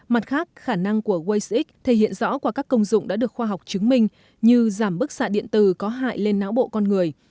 mặt khác khả năng của waze x thể hiện rõ qua các công dụng đã được khoa học chứng minh như giảm bức xạ điện tử có hại lên não bộ con người